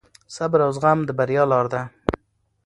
صبر او زغم د بریا لار ده.